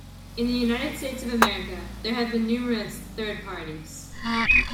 In the United States of America, there have been numerous "third parties".